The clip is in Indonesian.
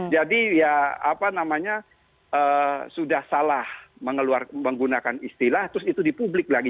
jadi ya apa namanya sudah salah menggunakan istilah terus itu di publik lagi